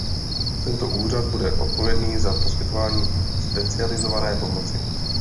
Tento úřad bude odpovědný za poskytování specializované pomoci.